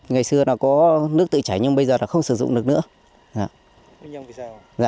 ngày xưa nó có nước tự chảy nhưng bây giờ là không sử dụng được nữa